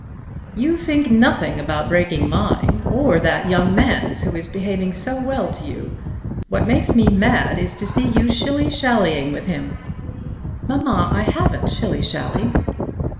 "You think nothing about breaking mine; or that young man's who is behaving so well to you. What makes me mad is to see you shilly shallying with him." "Mamma, I haven't shilly shallied."